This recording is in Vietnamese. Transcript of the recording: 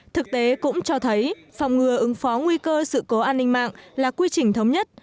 thực tế cũng cho thấy phòng ngừa ứng phó nguy cơ sự cố an ninh mạng là quy trình thống nhất